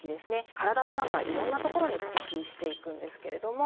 体の中いろんな所に飛び火していくんですけれども。